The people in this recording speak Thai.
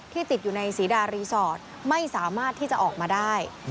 ติดอยู่ในศรีดารีสอร์ทไม่สามารถที่จะออกมาได้